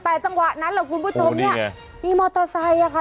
แต่จังหวะนั้นแหละคุณผู้ชมเนี่ยมีมอเตอร์ไซค์อ่ะค่ะ